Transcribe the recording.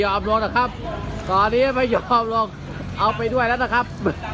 ลงนะครับตอนนี้ไม่ยอมลงเอาไปด้วยแล้วนะครับ